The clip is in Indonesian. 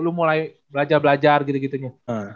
lu mulai belajar belajar gitu gitunya